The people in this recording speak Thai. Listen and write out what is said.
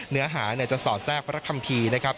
เนื้อหาจะสอดแทรกพระคัมภีร์นะครับ